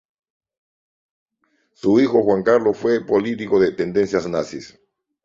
Su hijo Juan Carlos fue un político de tendencias nazis.